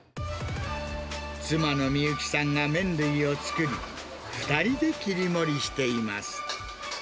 妻のみゆきさんが麺類を作り、２人で切り盛りしています。